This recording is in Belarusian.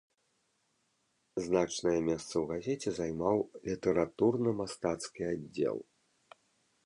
Значнае месца ў газеце займаў літаратурна-мастацкі аддзел.